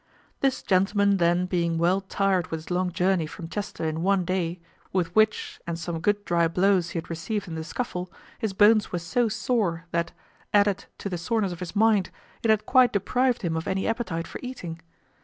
This gentleman then being well tired with his long journey from Chester in one day, with which, and some good dry blows he had received in the scuffle, his bones were so sore, that, added to the soreness of his mind, it had quite deprived him of any appetite for eating.